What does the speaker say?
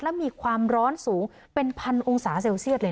และมีความร้อนสูงเป็นพันองศาเซลเซียตเลย